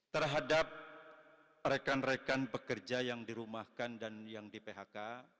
terhadap rekan rekan pekerja yang dirumahkan dan yang di phk